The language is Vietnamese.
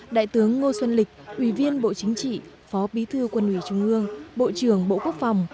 đại tướng ngô xuân lịch ủy viên bộ chính trị phó bí thư quân ủy trung ương bộ trưởng bộ quốc phòng